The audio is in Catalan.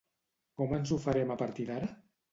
Com ens ho farem a partir d'ara?